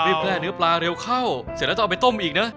แพร่เนื้อปลาเร็วเข้าเสร็จแล้วต้องเอาไปต้มอีกนะ